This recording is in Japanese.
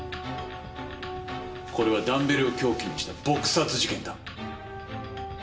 これはダンベルを凶器にした撲殺事件だ。